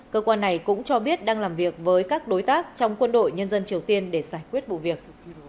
cơ quan này cũng cho biết đang làm việc với các đối tác trong quân đội nhân dân triều tiên để giải quyết vụ việc